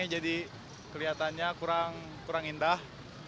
jadi kelihatannya kurang indah